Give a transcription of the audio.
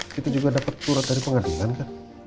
kita juga dapat surat dari pengadilan kan